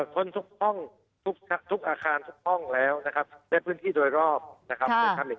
ค้นทุกห้องทุกอาคารทุกห้องแล้วนะครับและพื้นที่โดยรอบนะครับ